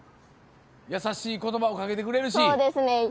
優しい言葉をかけてくれるし。